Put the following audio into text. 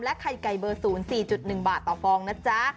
และไข่ไก่เบอร์ศูนย์๔๑บาทต่อฟองนะจ๊ะ